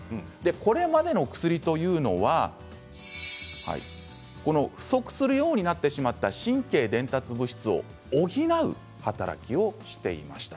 これまでの薬というのはこの不足するようになってしまった神経伝達物質を補う働きをしていました。